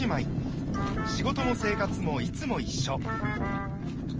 仕事も生活もいつも一緒。